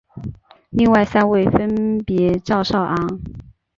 另外三位分别为赵少昂。